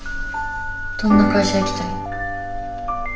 どんな会社行きたいん？